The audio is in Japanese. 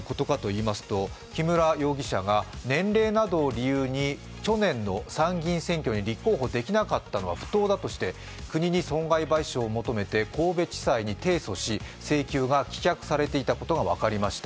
木村容疑者が年齢などを理由に去年の参議院選挙に立候補できなかったのは不当だとして国に損害賠償を求めて神戸地裁に提訴し、請求が棄却されていたことが分かりました。